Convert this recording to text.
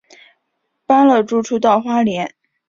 搬了住处到花莲